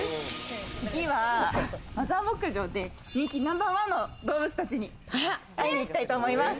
次はマザー牧場で人気ナンバーワンの動物たちに会いに行きたいと思います。